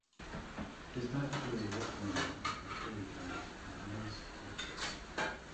It is not clear what woman is portrayed in this Milanese portrait.